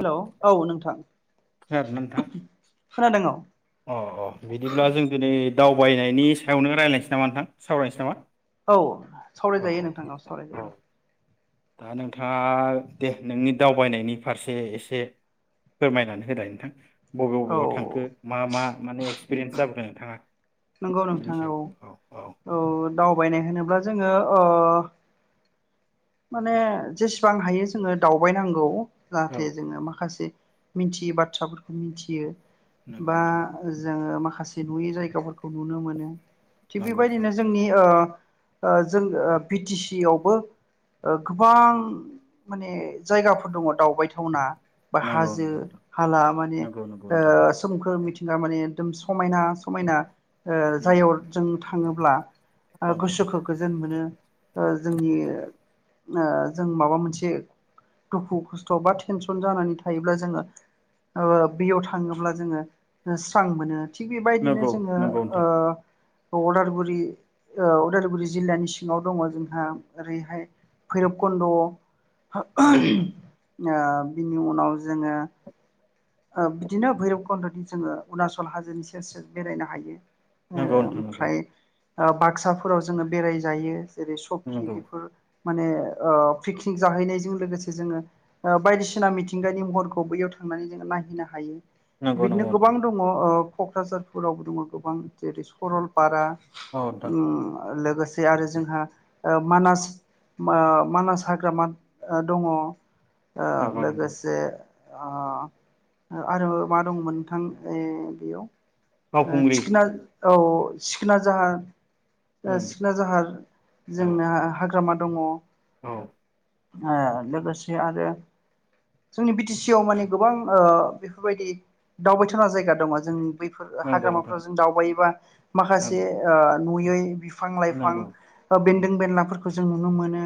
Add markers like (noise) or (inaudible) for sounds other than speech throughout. हेल' औ नोंथां। खानादों ना नोंथां। खोनादों औ अ अ बिदिब्ला जों दिनै दावबायनायनि सायावनो रायलायनोसै नामा नोंथां सावरायनोसै नामा। औ सावरायजायो नोंथां‌ औ सावरायजायो। दा नोंथाङा दे नोंनि दावबायनायनि फारसे एसे फोरमायनानै होलाय नोंथां। बबे बबेयाव थांखो औ मा मा माने एक्सपिरियेन्स जाबोखो (unintelligible) नंगौ बिनि नोंथाङा सायाव औ औ औ दावबायनाय होनोब्ला जों जोङो अ माने जेसेबां हायो जोङो दावबायनांगौ। औ जाहाथे जोङो माखासे मिथियै बाथ्राफोरखौ मिथियो। नंगौ बा नोंथां जोङो माखासे माखासे नुयै जायगाफोरखौ नुनो मोनो। थिग नंगौ नोंथां बेबायदिनो जोंनि ओ जों बि टि सि आवबो गोबां माने जायगाफोर दङ दावबायथावना। बा नंगौ नंगौ हाजो-हाला माने नोंथां ओ सोमखोर मिथिंगा। सिगां माने एकदम समायना-समायना नंगौ जायगायाव जों थाङोब्ला नंगौ गोसोखौ गोजोन मोनो ओ जोंनि नोंथां ओ जों माबा मोनसे दुखु खस्थ' बा टेनसन जानानै थायोब्ला जोङो ओ बेयाव थाङोब्ला जोङो स्रां मोनो। थिग बेबायदिनो नंगौ जोङो नंगौ नोंथां ओ उदालगुरि उदालगुरि जिल्लानि सिङाव दङ जोंहा ओरैहाय भैरबकुन्द' (unintelligible) ओ नंगौ बिनि उनाव जोङो ओ बिदिनो भैरबखुन्डनि जोङो अरुणाचल हाजोनि सेर सेर बेरायनो हायो। नंगौ नोंथां नंगौ नोंथां नंगौ ओ नोंथां ओमफ्राय ओ बाक्साफोराव जोङो बेरायजायो। जेरै सकि नंगौ बेफोर माने ओ पिकनिक जाहैनायजों लोगोसे जोङो ओ बायदिसिना मिथिंगानि महरखौ बैयाव थांनानै जों नायहैनो हायो। नंगौ नंगौ बिदिनो गोबां नोंथां दङ ओ क'क्राझारफोरावबो दङ गोबां जेरै स'रलपारा औ नोंथां उम लोगोसे लोगोसे आरो जोंहा ओ मानास ओ मानास हाग्रामा दङ औ नंगौ नंगौ लोगोसे आ आरो मा दंमोन नोंथां ओय बेयाव ओ फावखुंग्रि चिखना औ सिखोना जाहार ओ उम सिखोना जाहार औ जोंना हाग्रा हाग्रामा दङ। औ ओ लोगोसे आरो जोंनि बि टि सि आव माने गोबां ओ बेफोरबायदि दावबायथावना जायगा दङ जोंनि बैफोर नंगौ नोंथां हाग्रामाफोराव जों दावबायोबा माखासे नंगौ ओ नुयै बि फिफां लाइफां नंगौ ओ नंगौ बेनदों बेनलाफोर जों नुनो मोनो।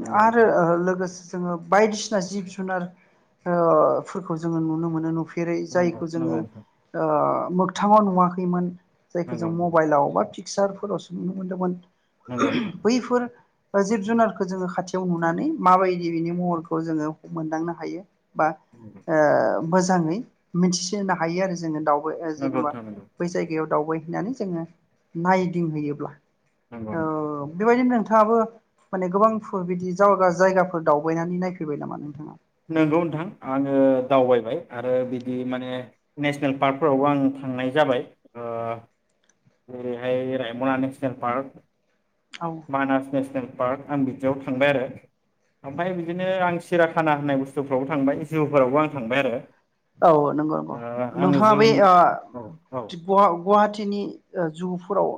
नंगौ नोंथां ओ लोगो जोङो बायदिसिना जिब जुनार ओ फोर जोङो नुनो मोनो नुफि जेरै नंगौ जायखौ जोङो नंगौ नोंथां ओ मोगथाङाव नुवाखैमोन जायखौ जों नंगौ मबाइलावबा (unintelligible) मिक्सारफोरावसो नुनो मोनदोंमोन नंगौ नंगौ नोंथां बोयफोर बा जिब जुनारखौ जोङो खाथियाव नुनानै माबायदि बिनि महरखौ जोङो मोनदांनो हायो बा नंगौ ओ मोजाङै मिथिसिनो हायो आरो जोङो दाउ बये नंगौ जेबा नोंथां बै जाय दावबायहैनानै जोङो नायदिंहैयोब्ला नंगौ नंगौ औ बेबायदिनो नों नोंथाङाबो माने गोबां बिदि जगा जायगाफोर दावबायनानै नायफैबाय नामा नोंथाङा नंगौ नोंथां आङो दावबायबाय आरो बिदि माने नेसनेल पार्कफोरावबो आं थांनाय जाबाय ओ जेरैहाय रायमना नेसनेल पार्क औ मानस नेसनेल पार्क आं बिदियाव थांबाय आरो ओमफ्राय बिदिनो आं सिराखाना होननाय बुस्थुफ्रावबो थांबाय जिउफोरावबो आं थांबाय आरो औ नंगौ नंगौ ओ आङो नोंथाङा जु बे होनना औ औ ओ गवा नि जुगफोराव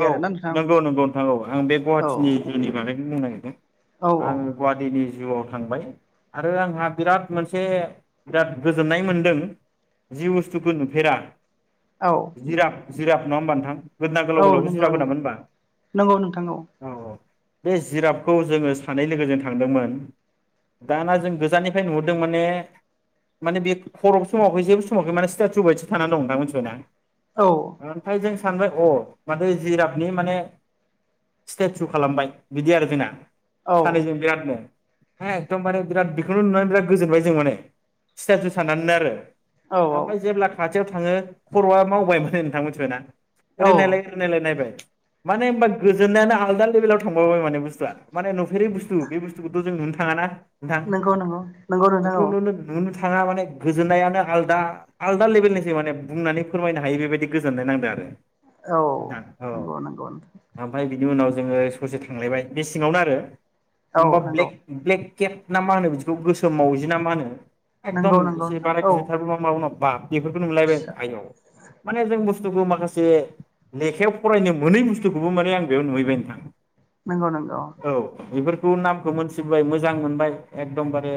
औ नंगौ नंगौ नोंथां आं बे औ गुवाहाटिनिनि बागैनो बुंनो नागिरदों औ औ आङो गुवाहाटीनि जिउआव थांबाय आरो आंहा बिराद मोनसे बिराद गोजोननाय मोनदों जि बुस्थुखौ नुफेरा औ नंगौ जिराब जिराब नाङा होमबा नोंथां गोदोना गोलाव औ गोलावखौ नंगौ जिराब नंगौ होनामोन होनबा नंगौ नोंथां औ बे जिराबखौ जोङो सानै लोगोजों थांदोंमोन दाना जों गोजाननिफ्राय नुहरदों माने माने बे खर' समावहै जेबो समावाखै माने स्टेटु बायदि थानानै दं मोनथिबाय ना औ ओफाय जों सानबाय औ माथो जिरादनि माने स्टेचु खालामबाय बिदि आरो जोंना सानैजों औ बिरादनो एदम माने बिराद बेखौनो नुनानै बिराद गोजोनबाय जों माने स्तेथु साननानैनो आरो औ हाबाय जेब्ला खाथि थियाव थाङो खरआ मावबाय माने नोंथां मिथिबाय ना औ ओरैनायलाय नायलायनायबाय मने होनबा गोजोन्नायानो आलदा लेभेलाव थांबाव माने बुस्थुआ मे नुफेरै बुस्थु बे बुस्थुखौथ जों नुनो थाङाना नोंथां नंगौ नंगौ नंगौ नोंथां बेखौ औ नुनो नुनो थाङा माने गोजोननायानो आल दा आलदा लेभेलनिसो माने बुंनानै फोरमायनो हायो बेबायदि गोजोननाय नांदो आरो औ नोंथां औ नंगौ नंगौ नोंथां ओमफ्राय बिनि उनाव जोंङो ससे थांलायबाय बे सिङावनो आरो औ होनबा नंगौ ब्लेक ब्लेक केब ना मा होनो बिदि खौ गोसोम मावजिना मा होनो एखदम नंगौ नंगौ एसे नोंथां बाराय औ गिनोथाबो नङा माबो नङा बा बेफोरखौ नुलायबाय फिसा आयेव माने जों बुस जिबौ माखासे लेखायाव फरायनो मोनै बुस्थुखौबो माने आं बेयाव नुहैबाय नोंथां । नोंगौ नोंगौ नामखौ मोनथिबाय मोजां मोनबाय एकदमबारे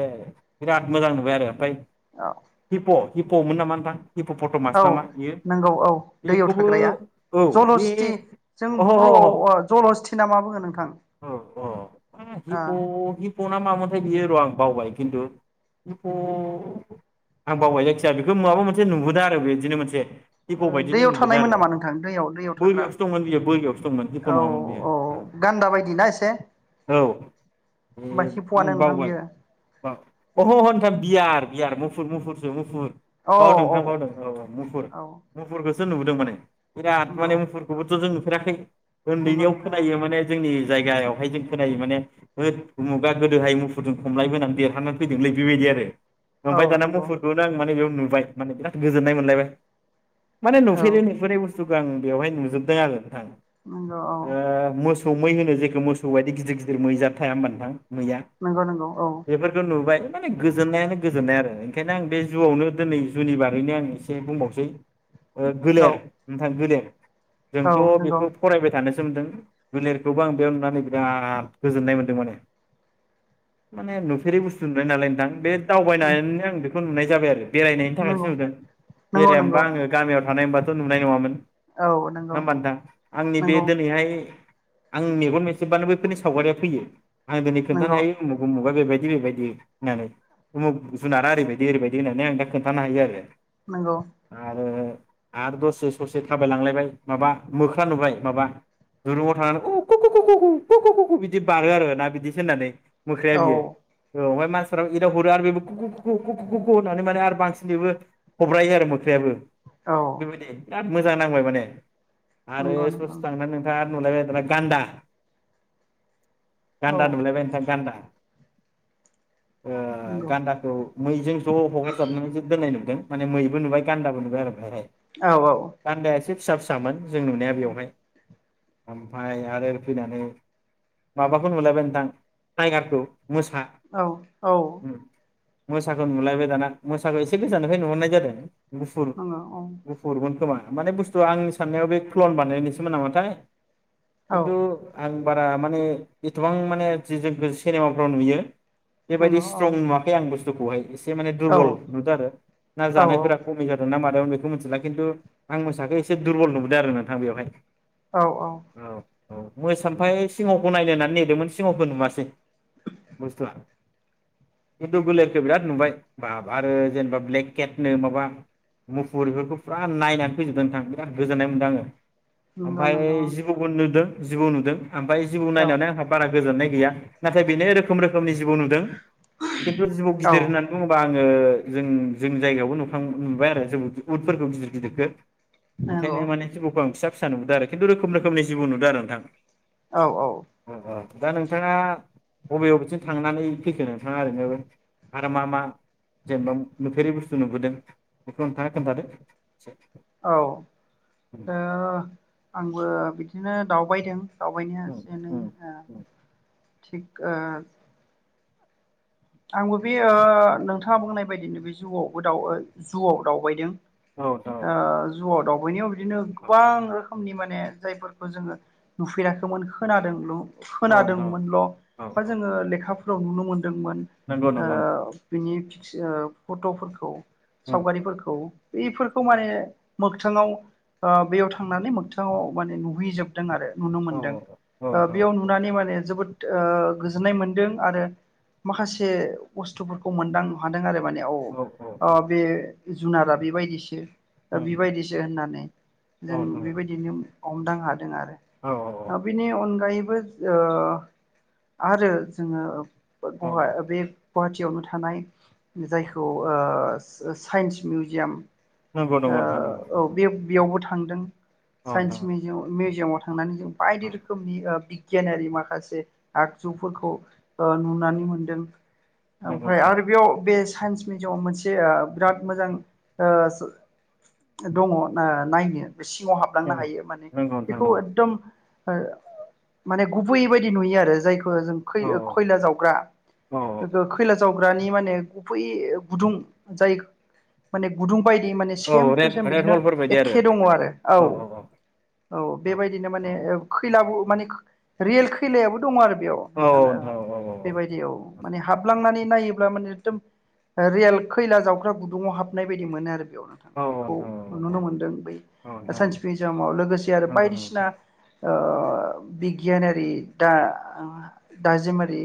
बिराद मोजां नुबाय आरो ओमफ्राय औ हिपख हि प मोन नामा नोंथां? हि प फट मास औ नामा इयो इखोबो जलहस्थि जों बरआव जलहस्थि ना मा बुंङो नोंथां । अ उम हि प हिप हिप ना मामोनथाय बियो र आं बावबाय किन्थु हि प आं बावबाय जायखिया बेखो माबा मोनसे नुबोदो आरो बेदिनो मोनसे हिप' ओ बायदिनो दैयाव नुबोदों थानायमोन आरो नामा नोंथां? दैयाव दैयाव थाग्रा बोरियावसो दंमोन बियो बोरियावसो दंमोन हि प औ नङामोन बियो गान्दा बायदि ना एसे औ होमबा ए आं हिफ'आनो नोंथां बावबाय बियो बा अह अह नोंथां । बियार बियार मुफुर मुफुरसो मुफुर । बावदों नोंथां बावदों औ औ मुफुर औ मुफुर सो नुबोदों माने बिराद नंगौ माने मुफुरखौबोथ जों नुफेराखै नंगौ उन्दैनियाव नोंथां औ खोनायो माने जोंनि जायगायावहाय जों खोनायो माने होद उमुगा गोदोहाय मुफुरजों खमलाय बोनानै देरहाना फैदोंलै बेबायदि आरो ओमफाय औ दाना नंगौ मुफुखौनो आं माने बेयाव नुबाय माने बिराद गोजोननाय मोनलायबाय। माने औ नुफेरै-नुफेरै बुस थुखौ आं बेवहाय नुजोबदों आरो। नंगौ औ। खौ मै होनो जायखौ मोसौबायदि गिदिर-गिदिर मै जाद थाया होनबा नोंथां। मैया नंगौ नंगौ औ बेफोरखौ नुबाय। माने गोजोननायानो गोजोननाय आरो ओंखायनो आं बे जुआवनो दिनै जुनि बारैनो आं एसे बुंबावसै। औ गोलेर। नोंथां गोलेर जोंथ' औ नंगौ बेखौ फरायबाय था नासो मोनदों गोलेरखौबो आं बेयाव नुनानै बिराद गोजोननाय मोनदों माने माने नुफेरै बुस्थु नुनाय नालाय नोंथां बे दावबायनानै आं बेखौ नुनाय। (unintelligible) बाय आरो। बेरायनायनि थाखायसो नंगौ नुदों नंगौ बेरायामबा नंगौ आङो गामियाव। (unintelligible) नाय नङामोन। (unintelligible) औ नंगौ होमबा नोंथां आंनि बे नंगौ दोनैहाय। आं मेगन मेसेबानो बैफोरनि सावगारिया फैयो। आं दोनै खोन्थानो नंगौ हायो उमुग उमुग बेबाय (unintelligible) बेबायदि होननानै उमुग जुनारा ओरैबायदि-ओरैबायदि होननानै आं दा खोन्थानो हायो आरो। नंगौ आरो। आरो दस। ससे-ससे थाबाय लांलायबाय माबा मोख्रा नुबाय माबा दुरुङाव थानानै अउ (unintelligible) बिदि बारो आरो ना बिदिसो होननानै। मोख्राया बियो औ औ ओमफ्राय मास (unintelligible) एदाव हरो आरो बेबो (unintelligible) होननानै माने आरो बांसिन बेबो हब्रायो आरो मोख्रायाबो। औ बेबायदि। (unintelligible) मोजां नांबाय माने। आरो नंगौ नंगौ ससे नोंथां थांना नोंथाङा। (unintelligible) दाना गान्दा। औ गान्दा नुलायबाय नोंथां गान्दा। ओ नंगौ गान्दाखौ मैजों ज' हगारजाबनानै दोननाय नुदों। माने मैबो नुबाय गान्दाबो नुबाय आरो बेहाय। औ-औ। फिसा-फिसामोन। जों नुनाया बेयावहाय। ओमफ्राय आरो फैनानै माबाखौ नुलायबाय नोंथां टाइगारखौ। मोसा औ औ। मोसाखौ नुलायबाय दाना मोसाखौ एसे गोजाननिफ्राय नुहरनाय जादों। आंङो औ। गुबुन खोमा माने बुस्थुआ आंनि साननायाव बे क्लन बानायनायासोमोन नामाथाय। औ खिन्थु आं। बारा माने एसेबां माने जों सिनेमाफ्राव नुयो। बेबायदि नंगौ औ स्ट्रं नुवाखै आं बुस्थुखौ। खौहाय। एसे माने औ दुरबल नुदों आरो ना औ जानायफोरा खमि जादों ना मादोंथाय। ओं बेखौ मोन थिला खिन्थु आं मोसाखौ एसे दुरबल नुबोदों आरो नोंथां बेवहाय। औ औ। औ मोसा ओमफ्राय सिंहखौ नायनो होननानै नेदोंमोन सिंहखौ नुवासै बुस्थुआ खिन्थु गोलेरखौ बिराद नुबाय बाब आरो जेनेबा ब्लेककेटनो माबा मुफुर बेफोरखौ फुरा नायनानै फैजोबदों नोंथां बिराद गोजोननाय मोनदों आङो। नंगौ ओमफ्राय नंगौ जिबौबो नुदों। जिबौ नुदों। ओमफ्राय जिबौ औ नायनानै आंहा बारा गोजोननाय गैया नाथाय बेनो रोखोम रोखोमनि जिबौ नुदों। खिन्थु जिबौ औ गिदिर होननानै बुङोबा आं ओ जों जोंनि जायगायावबो नुखां नुबाय आरो जों बेखौ उद फोरखो गिदिर गिदिरखो नंगौ ओंखायनो माने जिबौखौ आं फिसा फिसा नुबोदों आरो खिन्थु रोखोम रोखोमनि जिबौ नुदों आरो नोंथां। औ औ। दा नोंथाङा बबे बबेथिं थांनानै फैखो नोंथाङा ओरैनो आरो मा मा जेनेबा नुफेरै बुस्थु नुबोदों बेखौ नोंथाङा खोन्थादो। एसे औ उम ओ आंबो बि दिनो दावबायदों। दावबायनाया एसे एनै उम ओ उम थिग ओ आंबो बे ओ नोंथाङा बुंनाय बायदिनो बे जुआवबो दउ जुआव दावबायदों। औ नोंथां औ ओ जुआव दाव बयनियाव बि दिनो औ गोबां समनि माने जायफोरखौ जोङो नुफेराखैमोन खोनादोंल' औ नोंथां औ खोनादोंमोनल' बा औ औ। जोङो लेखा आव नुनो मोनदोंमोन। नंगौ आ नंगौ बिनि ओ फट'फोरखौ उम सावगारिफोरखौ बेफोरखौ माने मोगथाङाव ओ बेयाव थांनानै मोगथाङाव माने नुहैजोबदों आरो नुनो औ मोनदों औ ओ बेयाव नुनानै माने जोबोद ओ गोजोन्नाय मोनदों आरो माखा से बुस्थुफोरखौ मोनदांनो हादों आरो माने औ ओ बे जुनारा बेबायदिसो उम बेबायदिसो होननानै औ जों नोंथां बेबायदिनो हमदां हा औ औ आरो बेनि अनगायैबो ओ आरो जोङो औ गहा दा बे गुवाहाटियावनो थानाय जायखौ साइन्स मिउजियाम नंगौ नंगौ नोंथां नंगौ औ नंगौ बे बेयावबो थां थांदों। औ नोंथां साइनन्स मिउजिया मुजियामाव थांनानै बायदि औ रोखोमनि बिगियानारि माखासे आगजुफोरखौ नुनानै मोनदों नंगौ ओमफ्राय नोंथां आरो बेयाव बे साइन्स मिउजियामाव मोनसे बिराद मोजां दङ नायनो सिङाव हाबलांनो नंगौ हायो माने नंगौ नोंथां बेखौ नंगौ एकदम माने गुबै बायदि नुयो आरो जाय जों औ खयला जावग्रा औ औ खैला जावग्रानि माने गुबै गुदुं जायखौ माने गुदुं बायदि मान सेम औ थु रेड सेम रेड बिदिनो हलफोर बायदि आरो एखे दङ आरो औ औ बेबायदिनो माने औ खैला मान रियेल खैलायाबो दङ आरो बेयाव औ नोंथाङा नोंथां औ औ बेबायदियाव माने हाबलांनानै नायोब्ला माने एकदम रियेल खैला जावग्रा गुदुंङाव हाबनाय बायदि मोनो आरो- बेयावथां औ बेखौ नोंथां औ नुनो औ औ नोंथां औ मोनदों बै नंगौ साइन्टिफिकजामाव लोगोसे आरो नंगौ बायदिसिना नोंथां बिगियानारि दा दाजिमारि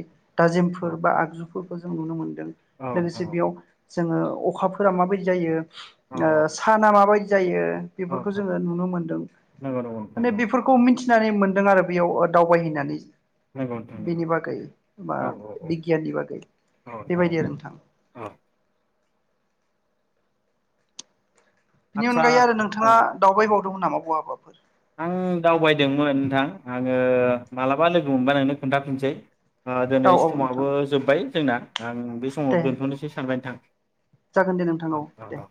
औ सोरबा आगजु- फोरखौ जों नुनो मोनो। औ नोंथां लोगोसे औ बेयाव जोङो अखाफोरा माबायदि जायो। औ साना माबायदि जायो औ बेफोरखौ नोंथां जोंङो नुनो मोनदों नंगौ नंगौ नोंथां माने औ बेफोरखौ फिनानै मोनदों आरो बेयाव दावबायहैनानै नंगौ नोंथां नंगौ बिनि बागै मा औ बिगियाननि बागै औ नोंथां बेबायदि आरो नोंथां औ बिनि आदसा अनगायै आरो औ नोंथाङा दावबायबाव दं नामा ब हाबाफोर आं दावबायदोंमोन नोंथां आंङो मालाबा लोगो मोनबा नोंनो खोन्थाफिनसै औ दिनै औ नोंथां समाबो जोब्बाय जोंना आं बे समाव दे दोनथ'नोसै सानबाय नथां जागोन दे नोंथां औ औ दे। औ